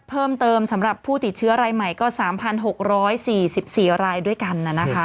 เพิ่มเติมสำหรับผู้ติดเชื้อรายใหม่ก็๓๖๔๔รายด้วยกัน